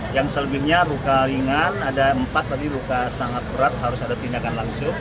yang selanjutnya ruka lingan ada empat tadi ruka sangat berat harus ada tindakan langsung